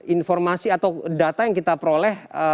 informasi atau data yang kita peroleh